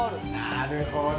なるほど。